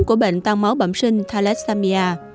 của bệnh tăng máu bẩm sinh thalessamia